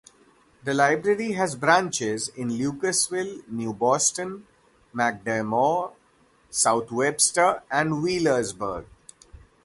The library has branches in Lucasville, New Boston, McDermott, South Webster and Wheelersburg.